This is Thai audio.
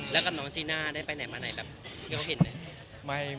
แล้วกับน้องจีน่าได้ไปไหนมาไหนแบบที่เขาเห็นไหม